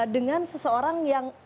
dengan seseorang yang